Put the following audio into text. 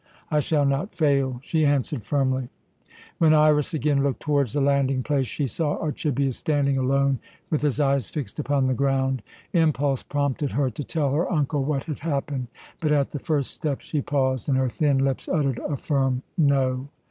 "I shall not fail," she answered firmly. When Iras again looked towards the landing place she saw Archibius standing alone, with his eyes fixed upon the ground. Impulse prompted her to tell her uncle what had happened; but at the first step she paused, and her thin lips uttered a firm "No."